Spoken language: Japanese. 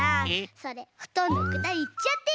それほとんどこたえいっちゃってる！